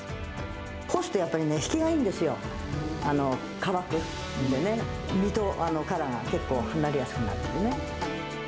干すとやっぱりね、ひきがいいんですよ、乾くんでね、実と殻が結構、剥がれやすくなってね。